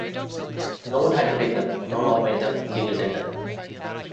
No one had to take them; no law made them legal tender.